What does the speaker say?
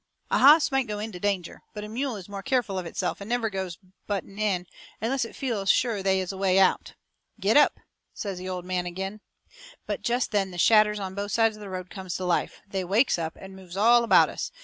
A hoss might go ahead into danger, but a mule is more careful of itself and never goes butting in unless it feels sure they is a way out. "Giddap," says the old man agin. But jest then the shadders on both sides of the road comes to life. They wakes up, and moves all about us.